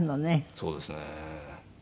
そうですね。